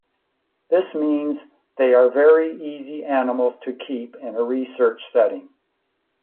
This means they are very easy animals to keep in a research setting.